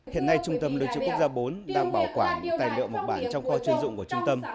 hiện nay trung tâm lưu trữ quốc gia bốn đang bảo quản những tài liệu mộc bản trong kho chuyên dụng của trung tâm